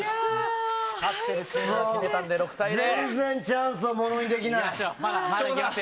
勝っているチームが決めたので６対０。